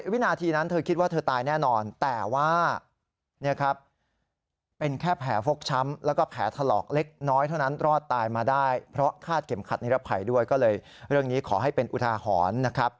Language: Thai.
วินาทีนั้นเธอคิดว่าเธอตายแน่นอนแต่ว่าเป็นแค่แผลฟกช้ำแล้วก็แผลถลอกเล็กน้อยเท่านั้นรอดตายมาได้เพราะคาดเข็มขัดนิรภัยด้วยก็เลยเรื่องนี้ขอให้เป็นอุทาหรณ์นะครับ